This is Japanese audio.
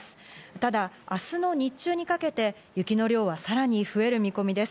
ただ、明日の日中にかけて、雪の量はさらに増える見込みです。